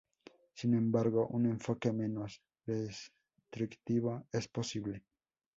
Sin embargo, un enfoque menos restrictivo es posible.